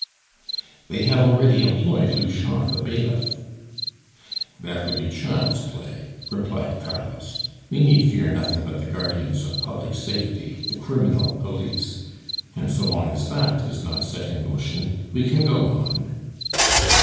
"They have already employed Louchard the bailiff." "That would be child's play," replied Carlos. "We need fear nothing but the guardians of public safety, the criminal police; and so long as that is not set in motion, we can go on!"